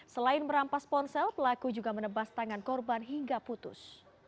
selain merampas ponsel pelaku juga menebas tangan korban hingga putus